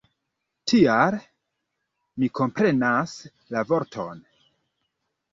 Tial, mi komprenas la vorton.